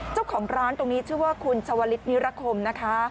เจ้าของร้านตรงนี้ชื่อว่าคุณชวลิศนิรคมนะคะ